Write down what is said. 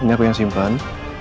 ini aku yang simpan